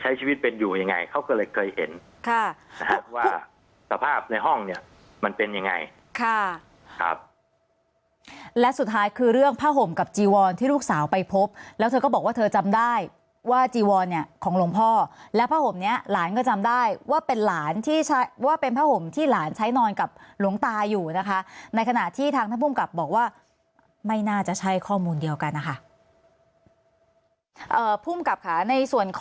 ใช้ชีวิตเป็นอยู่ยังไงเขาก็เลยเคยเห็นค่ะว่าสภาพในห้องเนี่ยมันเป็นยังไงค่ะและสุดท้ายคือเรื่องผ้าห่มกับจีวอนที่ลูกสาวไปพบแล้วเธอก็บอกว่าเธอจำได้ว่าจีวอนเนี่ยของหลวงพ่อและผ้าห่มเนี่ยหลานก็จำได้ว่าเป็นหลานที่ใช้ว่าเป็นผ้าห่มที่หลานใช้นอนกับหลวงตาอยู่นะคะในขณะที่ทางท่านภูมิ